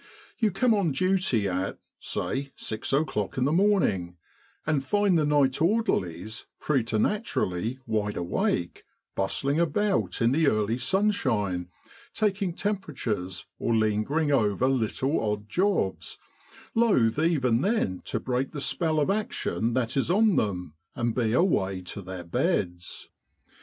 You come on duty at, say, 6 o'clock in the morning, and find the night orderlies preternaturally wide awake, bustling about in the early sunshine taking temperatures, or lingering over little odd jobs, loath even then to break the spell of action that is on them, and be away to their beds.